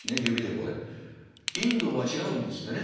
インドは違うんですってね